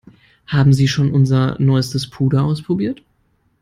Haben Sie schon unser neuestes Puder ausprobiert?